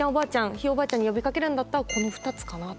ひいおばあちゃんに呼びかけるんだったらこの２つかなと。